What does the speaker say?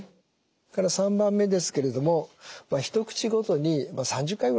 それから３番目ですけれども一口ごとにまあ３０回ぐらいかもうと。